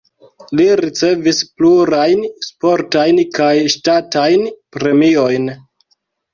Li ricevis plurajn sportajn kaj ŝtatajn premiojn.